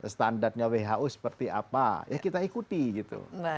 standarnya who seperti apa ya kita ikuti gitu